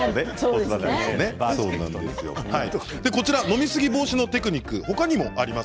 飲みすぎ防止のテクニック他にもあります。